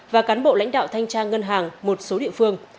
và cán bộ lãnh đạo thanh tra ngân hàng một số địa phương